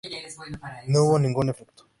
No hubo ningún efecto.